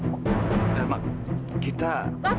pak papa jawab dong pertanyaan aku